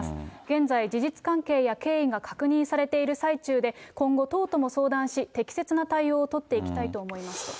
現在、事実関係や経緯が確認されている最中で、今後、党とも相談し、適切な対応を取っていきたいと思いますと。